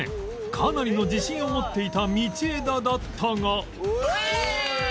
かなりの自信を持っていた道枝だったが